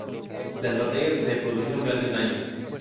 Las batallas le produjeron grandes daños.